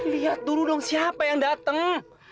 lihat dulu dong siapa yang datang